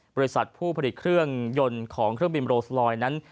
บริษัทผู้ผลิตเครื่องยนต์ของเครื่องบินโรสลอยนั้น